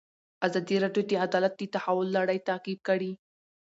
ازادي راډیو د عدالت د تحول لړۍ تعقیب کړې.